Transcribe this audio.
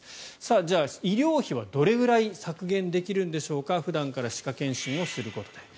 じゃあ医療費は、どれぐらい削減できるんでしょうか普段から歯科検診をすることで。